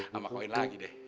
nambah koin lagi deh